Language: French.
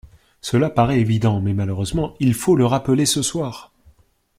Cela paraît évident mais, malheureusement, il faut le rappeler ce soir.